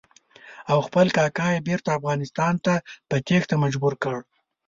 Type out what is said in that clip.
او خپل کاکا یې بېرته افغانستان ته په تېښته مجبور کړ.